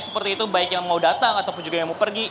seperti itu baik yang mau datang ataupun juga yang mau pergi